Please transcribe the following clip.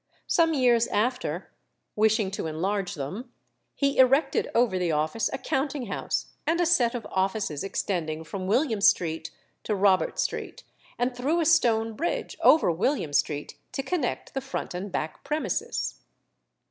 Some years after, wishing to enlarge them, he erected over the office a counting house and a set of offices extending from William Street to Robert Street, and threw a stone bridge over William Street to connect the front and back premises.